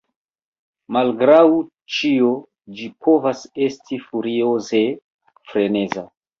Malgraŭ ĉio ĝi povas esti furioze freneza.